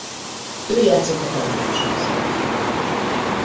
Ő játszott a pengetős hangszereken.